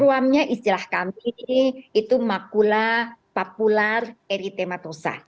ruamnya istilah kami ini itu makula popular eritematosa